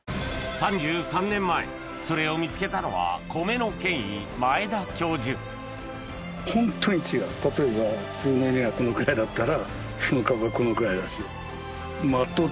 ３３年前それを見つけたのは米の権威例えば普通の稲がこのくらいだったらその株はこのぐらいだし。